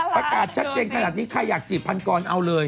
ประกาศชัดเจนขนาดนี้ใครอยากจีบพันกรเอาเลย